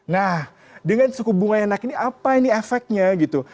nah dengan suku bunga yang naik ini apa ini efeknya gitu